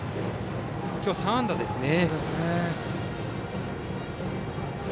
今日、３安打ですね。